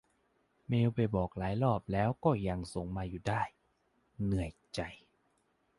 เมลไปบอกหลายรอบแล้ว ก็ยังส่งมาอยู่ได้ เหนื่อยใจ